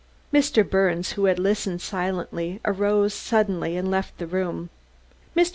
Mr. Birnes, who had listened silently, arose suddenly and left the room. Mr.